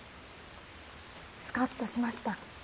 スカッとしました。